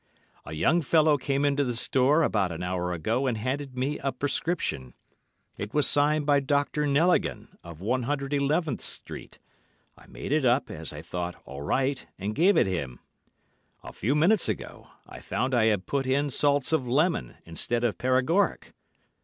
'A young fellow came into the store about an hour ago and handed me a prescription. It was signed by Dr. Knelligan, of 111th Street. I made it up, as I thought, all right, and gave it him. A few minutes ago, I found I had put in salts of lemon instead of paregoric.